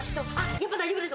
やっぱ大丈夫です。